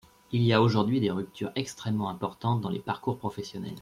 Il y a aujourd’hui des ruptures extrêmement importantes dans les parcours professionnels.